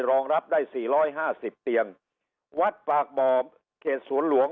รองรับได้สี่ร้อยห้าสิบเตียงวัดปากบ่อเขตสวนหลวง